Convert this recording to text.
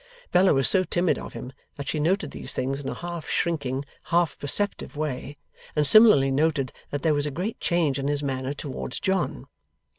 Bella was so timid of him, that she noted these things in a half shrinking, half perceptive way, and similarly noted that there was a great change in his manner towards John.